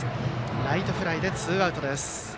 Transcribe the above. ライトフライでツーアウトです。